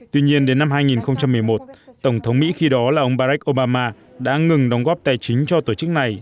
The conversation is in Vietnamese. tuy nhiên đến năm hai nghìn một mươi một tổng thống mỹ khi đó là ông barack obama đã ngừng đóng góp tài chính cho tổ chức này